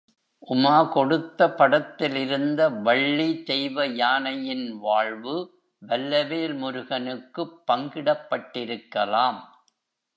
உமா கொடுத்த படத்திலிருந்த வள்ளி தெய்வயானையின் வாழ்வு வல்லவேல் முருகனுக்குப் பங்கிடப்பட்டிருக்கலாம்.